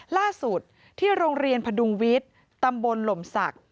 ล่าสุดที่โรงเรียนพดุงวิทย์ตำบลหล่มศักดิ์